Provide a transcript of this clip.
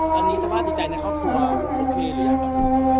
ตอนนี้สภาพดีใจในครอบครัวก็โอเคหรือยังครับ